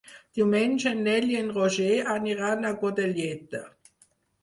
Diumenge en Nel i en Roger aniran a Godelleta.